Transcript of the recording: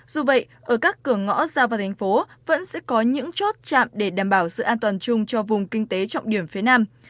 dù vậy ở các cửa ngõ ra vào thành phố vẫn sẽ có những chốt chạm để đảm bảo sự an toàn chung cho vùng kinh tế trọng điểm phía nam